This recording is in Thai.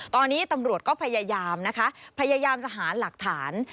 ตอนนี้ตำรวจก็พยายามซะหาหลักฐาน